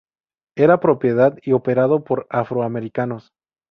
Era propiedad y operado por afroamericanos.